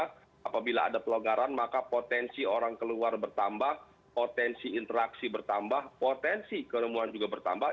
apabila ada pelonggaran maka potensi orang keluar bertambah potensi interaksi bertambah potensi kerumunan juga bertambah